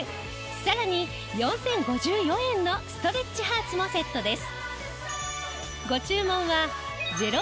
さらに４０５４円のストレッチハーツもセットです。